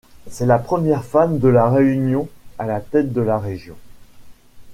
C'est la première femme de La Réunion à la tête de La Région.